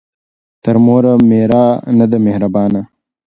ـ تر موره مېره ،نه ده مهربانه.